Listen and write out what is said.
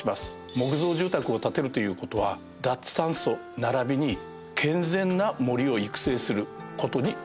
木造住宅を建てるという事は脱炭素ならびに健全な森を育成する事につながるんです。